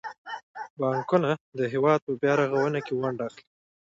بانکونه د هیواد په بیارغونه کې ونډه اخلي.